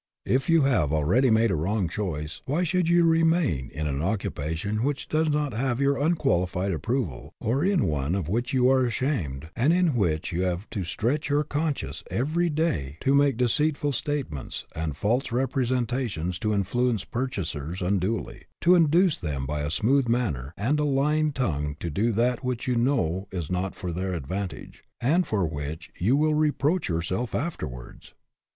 If you have already made a wrong choice, why should you remain in an occupation which does not have your unqualified approval, or in one of which you are ashamed, and in which HAS YOUR VOCATION APPROVAL 127 you have to stretch your conscience every day to make deceitful statements and false repre sentations to influence purchasers unduly; to induce them by a smooth manner and a lying tongue to do that which you know is not for their advantage, and for which you will re proach yourself afterwards?